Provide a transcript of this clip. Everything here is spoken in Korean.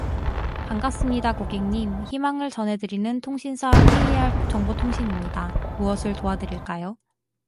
반갑습니다 고객님, 희망을 전해드리는 통신사 케이알 정보통신입니다. 무엇을 도와드릴까요?